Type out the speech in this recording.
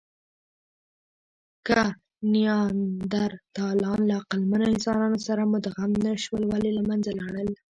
که نیاندرتالان له عقلمنو انسانانو سره مدغم نهشول، ولې له منځه لاړل؟